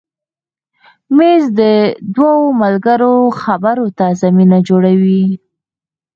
مېز د دوو ملګرو خبرو ته زمینه جوړوي.